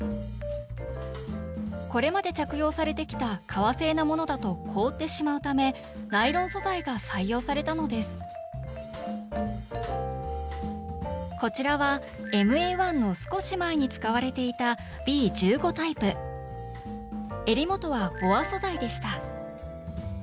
これまで着用されてきた革製のものだと凍ってしまうためナイロン素材が採用されたのですこちらはＭＡ−１の少し前に使われていたえり元はボア素材でした。